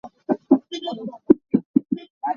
Hringtu nu nih a hmur a van i rek le a nii.